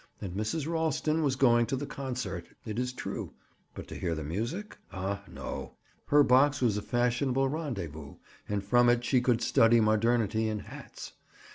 And Mrs. Ralston was going to the concert, it is true, but to hear the music? Ah, no! Her box was a fashionable rendezvous, and from it she could study modernity in hats.